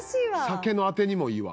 酒のアテにもいいわ。